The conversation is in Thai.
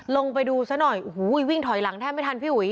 ลงไปดูซะหน่อยโอ้โหวิ่งถอยหลังแทบไม่ทันพี่อุ๋ย